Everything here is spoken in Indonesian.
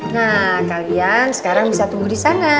nah kalian sekarang bisa tunggu disana